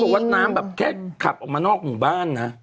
บอกว่าน้ำแบบแค่ขับออกมานอกหมู่บ้านนะ